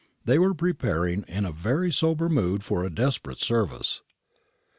They were preparing in a very sober mood for a desperate service.